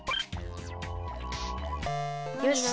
よし。